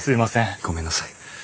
ごめんなさい。